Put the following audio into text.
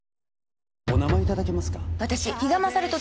お名前いただけますか？